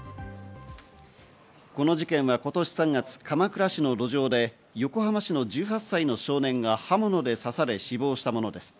この事件は今年３月、鎌倉市の路上で横浜市の１８歳の少年が刃物で刺され死亡したものです。